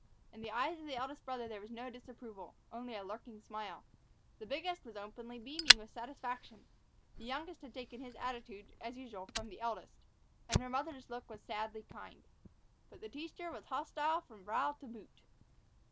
In the eyes of the eldest brother there was no disapproval, only a lurking smile; the biggest was openly beaming with satisfaction; the youngest had taken his attitude, as usual, from the eldest; and her mother's look was sadly kind. But the teacher was hostile from brow to boot.